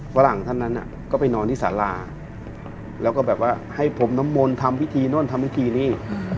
ฝรั่งท่านนั้นก็ไปนอนที่สาราแล้วก็แบบว่าให้ผมน้ำมนต์ทำพิธีโน่นทำพิธีนี่